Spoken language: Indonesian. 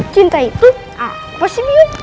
cinta itu apa sih biung